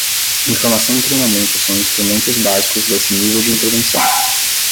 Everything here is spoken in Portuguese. Informação e treinamento são instrumentos básicos desse nível de intervenção.